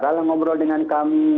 bicara lah ngobrol dengan kami